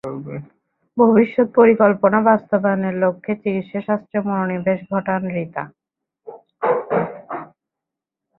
ভবিষ্যত পরিকল্পনা বাস্তবায়নের লক্ষ্যে চিকিৎসাশাস্ত্রে মনোনিবেশ ঘটান রীতা।